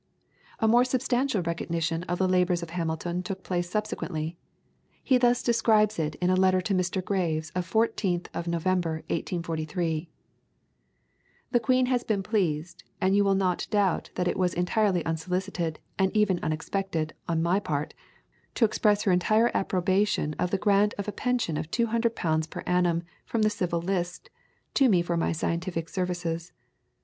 A more substantial recognition of the labours of Hamilton took place subsequently. He thus describes it in a letter to Mr. Graves of 14th of November, 1843: "The Queen has been pleased and you will not doubt that it was entirely unsolicited, and even unexpected, on my part 'to express her entire approbation of the grant of a pension of two hundred pounds per annum from the Civil List' to me for scientific services.